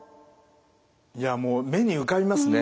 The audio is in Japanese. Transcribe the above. いやもう目に浮かびますね。